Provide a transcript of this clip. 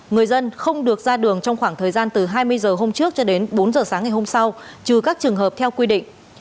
người dân không được ra đường trong khoảng thời gian từ hai mươi h hôm trước cho đến bốn h sáng ngày hôm sau trừ các trường hợp theo quy định